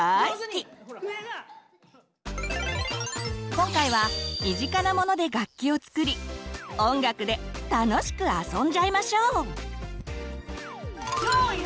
今回は身近なモノで楽器を作り音楽で楽しくあそんじゃいましょう！